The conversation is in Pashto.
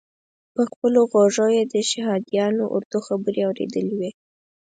په خپلو غوږو یې د شهادیانو اردو خبرې اورېدلې وې.